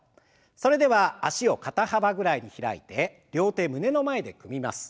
それでは脚を肩幅ぐらいに開いて両手胸の前で組みます。